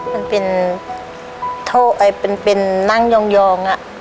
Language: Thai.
มันเป็นโทรเป็นนั่งยองอะ